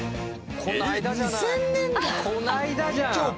この間じゃん！